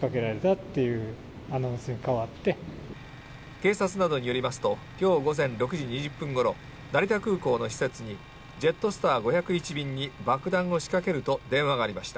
警察などによりますと今日午前６時２０分ごろ、成田空港の施設に、ジェットスター５０１便に爆弾を仕掛けると電話がありました。